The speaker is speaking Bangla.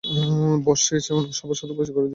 বস চেয়েছে ওনাকে সবার সাথে পরিচয় করিয়ে দিন।